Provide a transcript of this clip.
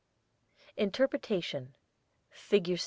INTERPRETATION FIG.